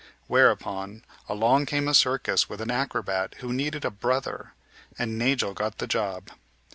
Whereupon along came a circus with an acrobat who needed a "brother," and Nagel got the job.